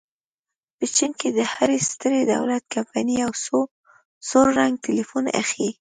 په چین کې د هرې سترې دولتي کمپنۍ یو سور رنګه ټیلیفون ایښی.